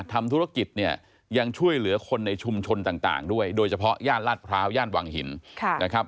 ทำธุรกิจเนี่ยยังช่วยเหลือคนในชุมชนต่างด้วยโดยเฉพาะย่านลาดพร้าวย่านวังหินนะครับ